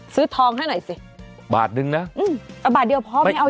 ซื้อทองให้หน่อยสิบาทหนึ่งนะอืมเอาบาทเดียวพร้อมเนี่ยเอาเยอะ